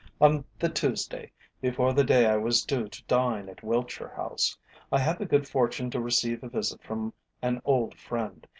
On the Tuesday before the day I was due to dine at Wiltshire House, I had the good fortune to receive a visit from an old friend.